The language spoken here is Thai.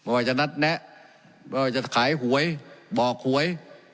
ว่าจะนัดแนะจะขายหวยบอกหวย